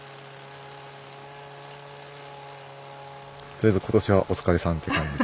とりあえず今年はお疲れさんっていう感じ。